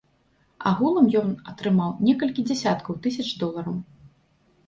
Агулам ён атрымаў некалькі дзясяткаў тысяч долараў.